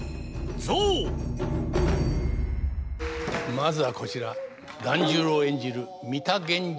まずはこちら團十郎演じる箕田源二